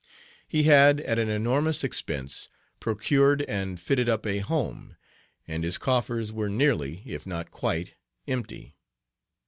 He had, at an enormous expense, procured and fitted up a home, and his coffers were nearly, if not quite, empty.